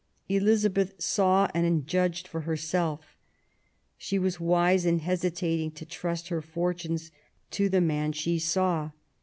Elizabeth saw and judged for herself. She was wise in hesitating to trust her fortunes to the man she saw.